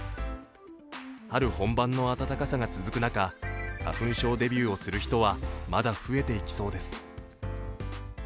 春本番の暖かさが続く中、花粉症デビューをする人はまだ増えていきそうです。